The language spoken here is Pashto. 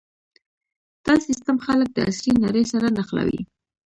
دا سیستم خلک د عصري نړۍ سره نښلوي.